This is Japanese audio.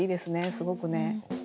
すごくね。